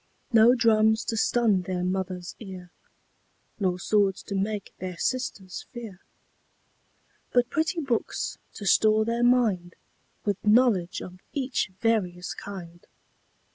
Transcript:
No drums to stun their Mother's ear, Nor swords to make their sisters fear; But pretty books to store their mind With knowledge of each various kind.